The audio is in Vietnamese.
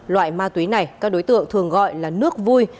loại ma túy này các đối tượng thường gọi là nước vui